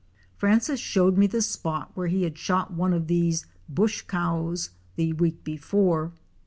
Francis showed me the spot where he had shot one of these '"'bush cows'' the week before.